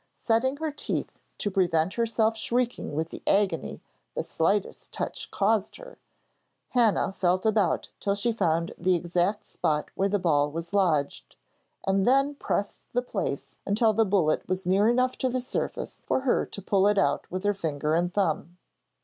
Setting her teeth to prevent herself shrieking with the agony the slightest touch caused her, Hannah felt about till she found the exact spot where the ball was lodged, and then pressed the place until the bullet was near enough to the surface for her to pull it out with her finger and thumb.